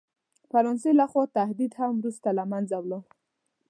فرانسې له خوا تهدید هم وروسته له منځه ولاړ.